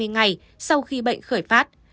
ngày sau khi bệnh khởi phát